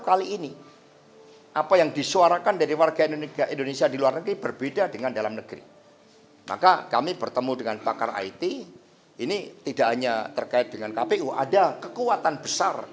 kpu nya sendiri nggak tahu